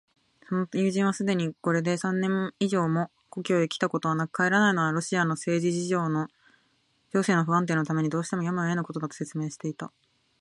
その友人はすでにこれで三年以上も故郷へきたことはなく、帰らないのはロシアの政治情勢の不安定のためにどうしてもやむをえぬことだ、と説明していた。